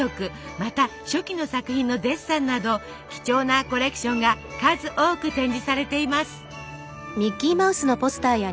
また初期の作品のデッサンなど貴重なコレクションが数多く展示されています。